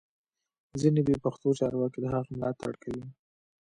ځینې بې پښتو چارواکي د هغه ملاتړ کوي